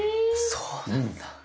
そうなんだ。